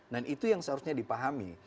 dan itu yang seharusnya dipahami